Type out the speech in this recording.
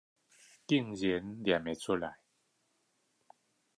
居然唸的出來